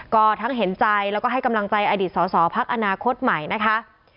ก่อทั้งเห็นใจและก็ให้กำลังใจอายุดศาสตรภักดิ์อนาคตใหม่นะคะ